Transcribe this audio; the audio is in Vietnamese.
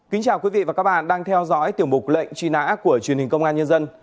kính chào quý vị và các bạn đang theo dõi tiểu mục lệnh truy nã của truyền hình công an nhân dân